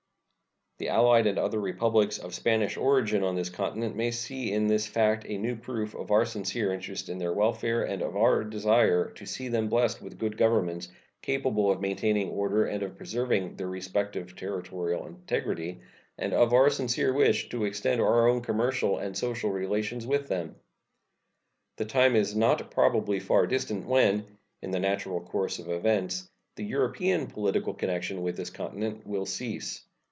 The allied and other Republics of Spanish origin on this continent may see in this fact a new proof of our sincere interest in their welfare, of our desire to see them blessed with good governments, capable of maintaining order and of preserving their respective territorial integrity, and of our sincere wish to extend our own commercial and social relations with them. The time is not probably far distant when, in the natural course of events, the European political connection with this continent will cease.